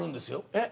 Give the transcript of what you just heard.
えっ？